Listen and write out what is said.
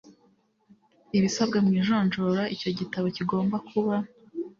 ibisabwa mu ijonjora Icyo gitabo kigomba kuba